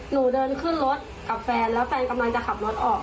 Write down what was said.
หนูเดินขึ้นรถกับแฟนแล้วแฟนกำลังจะขับรถออก